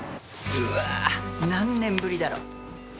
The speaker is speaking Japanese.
うわ何年ぶりだろ。